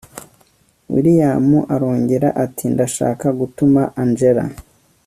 william arongera ati ndashaka gutuma angella